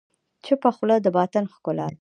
چپه خوله، د باطن ښکلا ده.